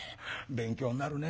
勉強になるね。